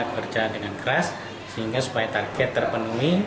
berjalan dengan keras sehingga supaya target terpenuhi